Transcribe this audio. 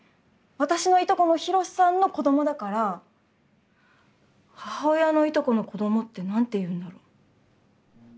私のいとこの寛さんの子どもだから母親のいとこの子どもって何ていうんだろ。